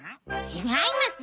違います！